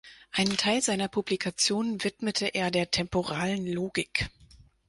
Einen Teil seiner Publikationen widmete er der temporalen Logik.